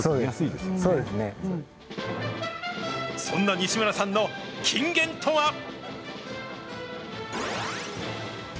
そんな西村さんの金言とは。